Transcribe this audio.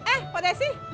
eh pak desi